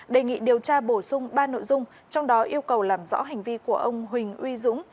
đề nghị điều tra bổ sung ba nội dung trong đó yêu cầu làm rõ hành vi của ông huỳnh uy dũng